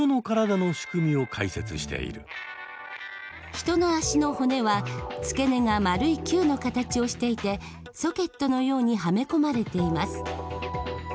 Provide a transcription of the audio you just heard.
人の足の骨は付け根が丸い球の形をしていてソケットのようにはめ込まれています。